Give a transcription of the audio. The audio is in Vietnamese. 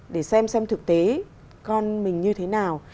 để xem xem thực tế con mình như thế nào